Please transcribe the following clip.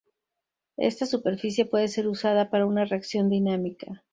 Esta superficie puede ser usada para una reacción dinámica.